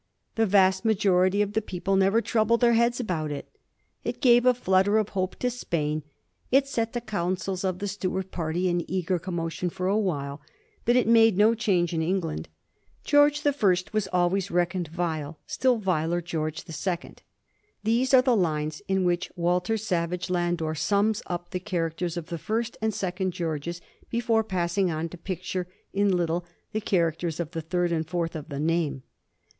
The vast majority of the people never troubled their heads about it. It gave a flutter of hope to Spain ; it set the councils of the Stuart party in eager commotion for a while ; but it made no change in England. * George the First was always reckoned Vile ; still viler George the Second.^ These are the lines in which Walter Savage Landor sums up the characters of the first and second Georges before passing on to picture in little the characters of the third and fourth of the name.